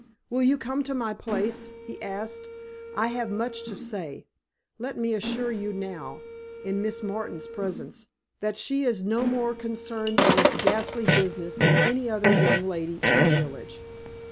"Will you come to my place?" he asked. "I have much to say. Let me assure you now, in Miss Martin's presence, that she is no more concerned in this ghastly business than any other young lady in the village."